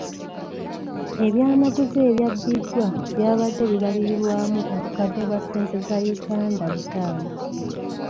Ebyamaguzi ebyabbiddwa byabadde bibalirirwamu obukadde bwa ssente za Uganda butaano.